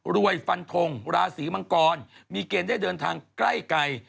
รวยฟันทงราศีมังกรมีเกณฑ์ได้เดินทางใกล้